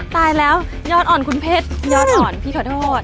ตายแล้วยอดอ่อนคุณเพชรยอดอ่อนพี่ขอโทษ